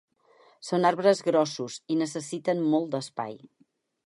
Són arbres grossos i necessiten molt d'espai.